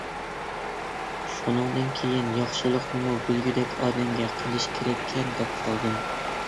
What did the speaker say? شۇنىڭدىن كېيىن ياخشىلىقنىمۇ بىلگۈدەك ئادەمگە قىلىش كېرەككەن دەپ قالدىم.